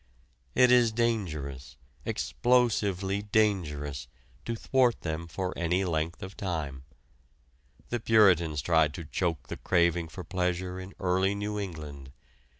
It is dangerous, explosively dangerous, to thwart them for any length of time. The Puritans tried to choke the craving for pleasure in early New England.